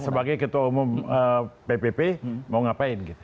ya sebagai ketua umum ppp mau ngapain